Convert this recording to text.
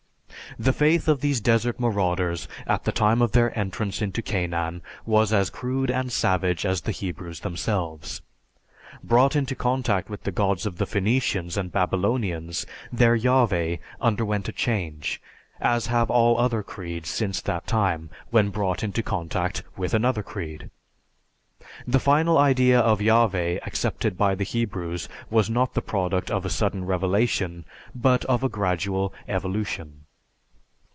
The faith of these desert marauders, at the time of their entrance into Canaan, was as crude and savage as the Hebrews themselves. Brought into contact with the gods of the Phoenicians and Babylonians, their Yahveh underwent a change, as have all other creeds since that time when brought into contact with another creed. The final idea of Yahveh accepted by the Hebrews was not the product of a sudden revelation but of a gradual evolution.